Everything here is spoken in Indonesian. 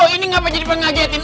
ini ngapa jadi pengagetin